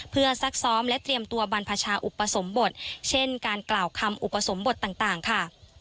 เพื่อซักซ้อมและเตรียมตัวบรรพชาอุปสมบทเช่นการกล่าวคำอุปสมบทต่างค่ะ